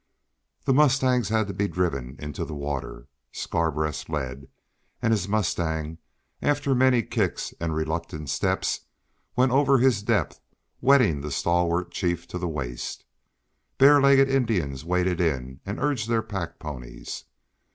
The mustangs had to be driven into the water. Scarbreast led, and his mustang, after many kicks and reluctant steps, went over his depth, wetting the stalwart chief to the waist. Bare legged Indians waded in and urged their pack ponies.